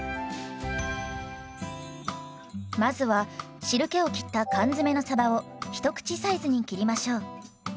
まずは汁けをきった缶詰のさばを一口サイズに切りましょう。